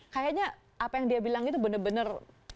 kayaknya apa yang dia bilang itu benar benar